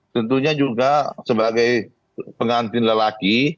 tentunya juga sebagai pengantin lelaki